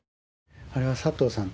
あれは佐藤さん